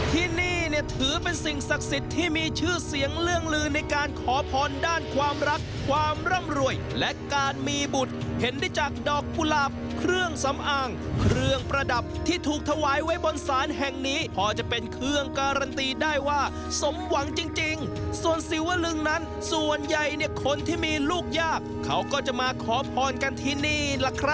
ที่นี่เนี่ยถือเป็นสิ่งศักดิ์สิทธิ์ที่มีชื่อเสียงเรื่องลือในการขอพรด้านความรักความร่ำรวยและการมีบุตรเห็นได้จากดอกกุหลาบเครื่องสำอางเครื่องประดับที่ถูกถวายไว้บนศาลแห่งนี้พอจะเป็นเครื่องการันตีได้ว่าสมหวังจริงส่วนศิวลึงนั้นส่วนใหญ่เนี่ยคนที่มีลูกยากเขาก็จะมาขอพรกันที่นี่ล่ะครับ